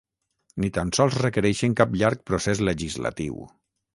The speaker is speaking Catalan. Ni tan sols requereixen cap llarg procés legislatiu.